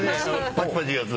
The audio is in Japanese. パチパチいうやつ